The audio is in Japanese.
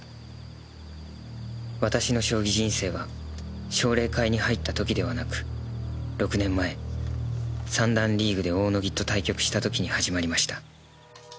私の将棋人生は奨励会に入った時ではなく６年前三段リーグで大野木と対局した時に始まりました。